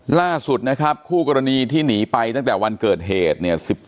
ล่าสุดนะครับคู่กรณีที่หนีไปตั้งแต่วันเกิดเหตุเนี่ย